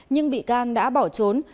nhưng bị can đã bỏ trốn